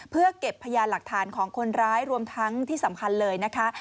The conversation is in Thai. เพื่อเก็บพยานหลักฐานของคนร้ายรวมทั้งที่สำคัญเลยนะคะ